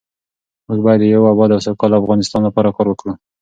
موږ باید د یو اباد او سوکاله افغانستان لپاره کار وکړو.